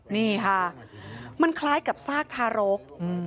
นี่ค่ะมันคล้ายกับซากทารก